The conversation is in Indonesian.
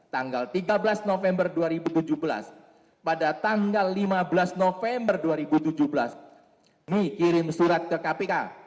tanggal tiga belas november dua ribu tujuh belas pada tanggal lima belas november dua ribu tujuh belas mi kirim surat ke kpk